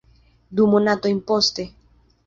Du monatojn poste.